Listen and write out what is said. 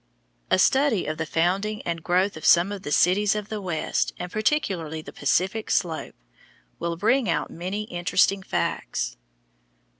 A study of the founding and growth of some of the cities of the West, and particularly of the Pacific slope, will bring out many interesting facts.